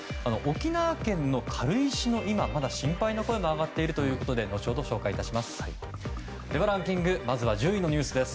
沖縄県の軽石に心配の声が上がっているといことで後ほどお伝えします。